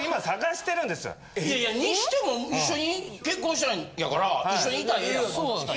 いやいやにしても一緒に結婚したんやから一緒にいたらええやんか。